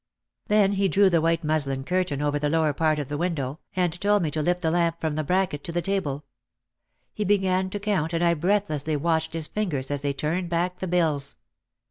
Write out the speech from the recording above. Then he drew the white muslin curtain over the lower part of the win dow, and told me to lift the lamp from the bracket to OUT OF THE SHADOW 139 the table. He began to count and I breathlessly watched his fingers as they turned back the bills.